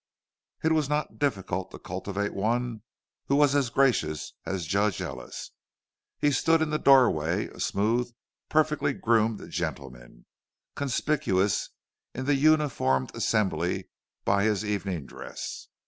It was not difficult to cultivate one who was as gracious as Judge Ellis. He stood in the doorway, a smooth, perfectly groomed gentleman, conspicuous in the uniformed assembly by his evening dress.